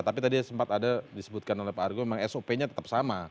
tapi tadi sempat ada disebutkan oleh pak argo memang sop nya tetap sama